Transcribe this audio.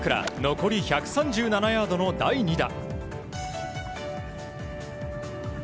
残り１３７ヤードの第２打。